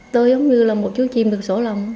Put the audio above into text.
tôi giống như là một chú chim được số lòng